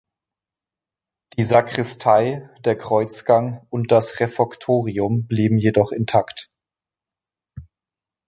Die Sakristei, der Kreuzgang und das Refektorium blieben jedoch intakt.